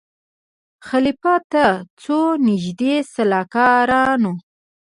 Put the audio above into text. خلیفه ته څو نیژدې سلاکارانو